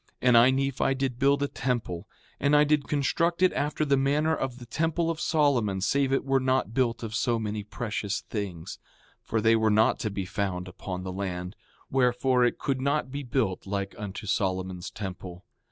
5:16 And I, Nephi, did build a temple; and I did construct it after the manner of the temple of Solomon save it were not built of so many precious things; for they were not to be found upon the land, wherefore, it could not be built like unto Solomon's temple.